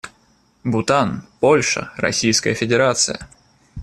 Бутан, Польша, Российская Федерация.